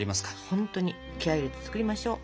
ほんとに気合入れて作りましょう。